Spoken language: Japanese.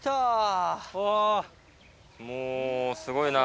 もうすごいな。